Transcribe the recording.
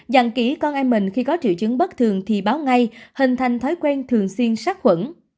dặn kỹ con em mình khi có triệu chứng bất thường thì báo ngay hình thành thói quen thường xuyên sát khuẩn